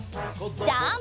ジャンプ！